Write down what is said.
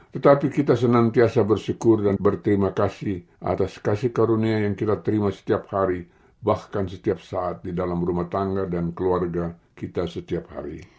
tetapi kita senantiasa bersyukur dan berterima kasih atas kasih karunia yang kita terima setiap hari bahkan setiap saat di dalam rumah tangga dan keluarga kita setiap hari